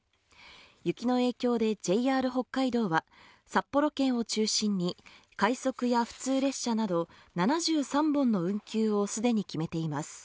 雪の影響でＪＲ北海道は札幌圏を中心に快速や普通列車など７３本の運休を既に決めています。